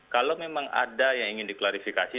kalau memang ada yang ingin diklarifikasi